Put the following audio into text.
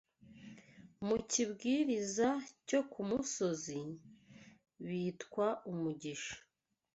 Mu Kibwiriza cyo ku Musozi, bitwa umugisha